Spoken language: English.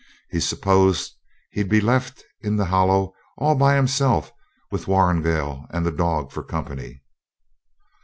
He supposed he'd be left in the Hollow all by himself, with Warrigal and the dog for company.